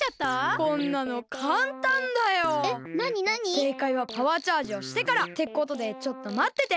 せいかいはパワーチャージをしてから。ってことでちょっとまってて。